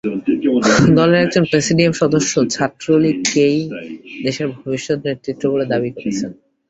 দলের একজন প্রেসিডিয়াম সদস্য ছাত্রলীগকেই দেশের ভবিষ্যৎ নেতৃত্ব বলে দাবি করেছেন।